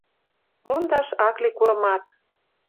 Мондаш ак ли курымат.